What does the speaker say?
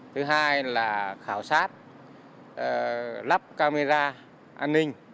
thứ hai là khảo sát lắp camera an ninh